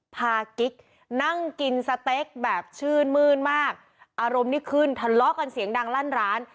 กิ๊กนั่งกินสเต็กแบบชื่นมื้นมากอารมณ์นี้ขึ้นทะเลาะกันเสียงดังลั่นร้าน